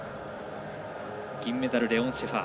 銀メダル、レオン・シェファー。